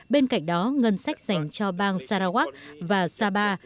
bên cạnh đó ngân sách dành cho bang sarawak và sabah